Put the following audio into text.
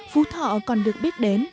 phú thọ còn được biết đến